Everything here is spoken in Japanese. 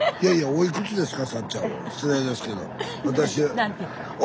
おいくつですか？